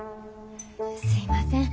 すいません。